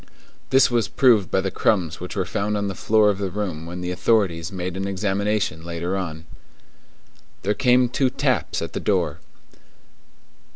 This was proved by the crumbs which were found on the floor of the room when the authorities made an examination later on. There came two taps at the door.